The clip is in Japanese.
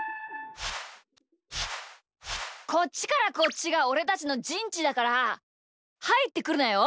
こっちからこっちがおれたちのじんちだからはいってくるなよ。